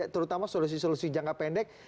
terutama solusi solusi jangka pendek